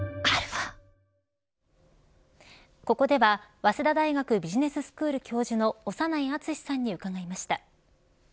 ここでは、早稲田大学ビジネススクール教授の長内厚さんに伺いました。